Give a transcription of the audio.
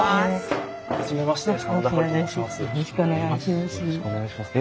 よろしくお願いします。